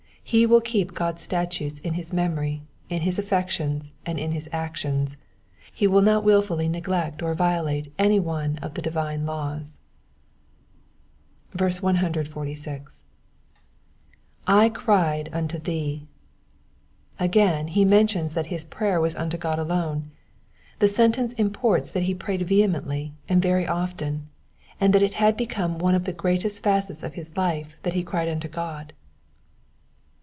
He will keep God's statutes in his memory, in his affections, and in his actions. He will not wilfully neglect or violate any one of the divine laws. 146. —*•/ cried unto thee,^^ Again he mentions that his prayer was unto God alone. The sentence imports that he prayed vehemently, and very often ; and that it had become one of the greatest facts of his life that he cried unto God.